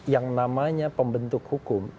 yang namanya pembentuk hukum